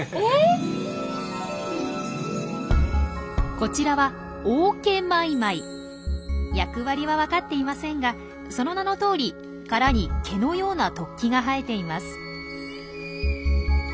こちらは役割は分かっていませんがその名のとおり殻に毛のような突起が生えています。